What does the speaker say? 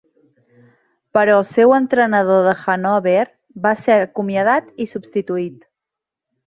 Però el seu entrenador de Hannover va ser acomiadat i substituït.